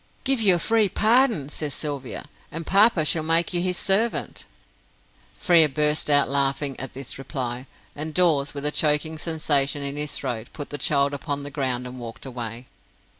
"Give you a free pardon," says Sylvia, "and papa shall make you his servant!" Frere burst out laughing at this reply, and Dawes, with a choking sensation in his throat, put the child upon the ground and walked away.